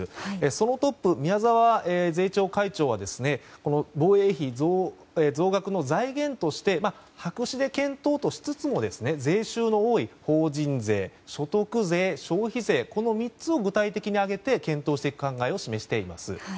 そのトップ、宮沢税調会長は防衛費増額の財源として白紙で検討としつつも税収の多い法人税、所得税消費税この３つを具体的に上げて検討していく考えを示しています。